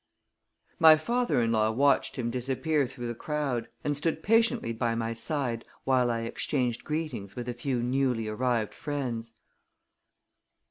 My father in law watched him disappear through the crowd, and stood patiently by my side while I exchanged greetings with a few newly arrived friends.